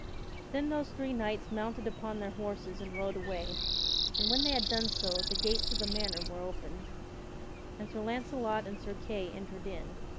Then those three knights mounted upon their horses and rode away, and when they had done so the gates of the manor were opened, and Sir Launcelot and Sir Kay entered in.